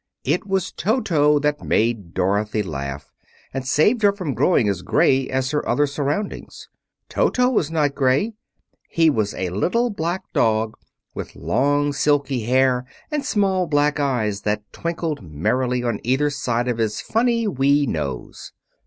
It was Toto that made Dorothy laugh, and saved her from growing as gray as her other surroundings. Toto was not gray; he was a little black dog, with long silky hair and small black eyes that twinkled merrily on either side of his funny, wee nose.